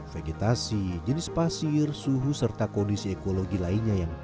vegetasi jenis pasir suhu serta kondisi ekologi lainnya yang berbeda